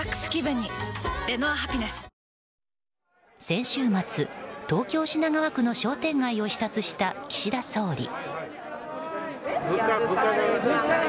先週末、東京・品川区の商店街を視察した岸田総理。